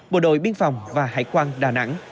bộ đội biên phòng và hải quan đà nẵng